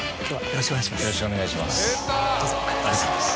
よろしくお願いします。